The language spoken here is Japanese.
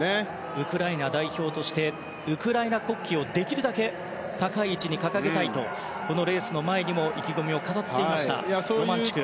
ウクライナ代表としてウクライナ国旗をできるだけ高い位置に掲げたいとこのレースの前にも意気込みを語っていましたロマンチュク。